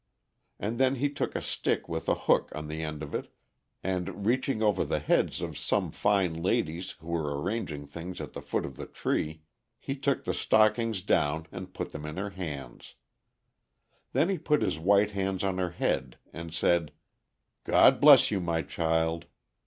And then he took a stick with a hook on the end of it, and, reaching over the heads of some fine ladies who were arranging things at the foot of the tree, he took the stockings down and put them in her hands. Then he put his white hands on her head, and said, "God bless you, my child!